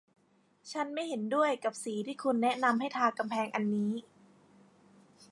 ฉันไม่เห็นด้วยกับสีที่คุณแนะนำให้ทากำแพงอันนี้